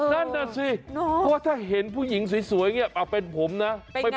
นั่นน่ะสิเพราะว่าถ้าเห็นผู้หญิงสวยอย่างนี้เป็นผมนะ